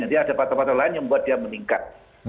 nanti ada patok patok lain yang membuat dia meningkat